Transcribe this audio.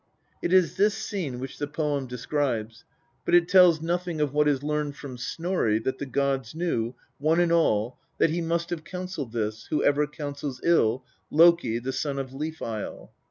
" It is this scene which the poem describes, but it tells nothing of what is learned from Snorri that " the gods knew, one and all, that he must have counselled this, who ever counsels ill, Loki, the son of Leaf isle."